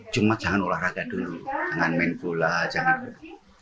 cuma jangan olahraga dulu jangan main bola jangan bola